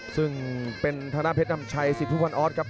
ซึ่งเป็นทนพนำชัยซิทธิวันออสครับ